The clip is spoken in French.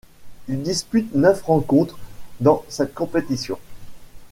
Il dispute neuf rencontres dans cette compétition.